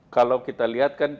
kalau kita lihat kan